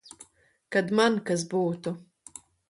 Kad man kas būtu.